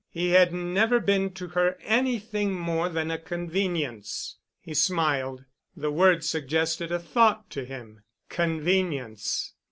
He had never been to her anything more than a convenience. He smiled. The word suggested a thought to him. Convenience!